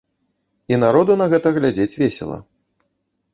І народу на гэта глядзець весела.